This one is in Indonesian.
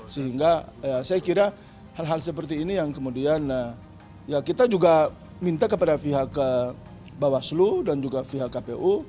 sehingga saya kira hal hal seperti ini yang kemudian ya kita juga minta kepada pihak bawaslu dan juga pihak kpu